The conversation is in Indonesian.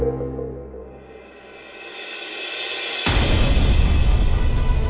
aku mau ke tempat yang lebih baik